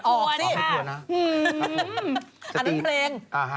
ไม่ออกสิอันนั้นเพลง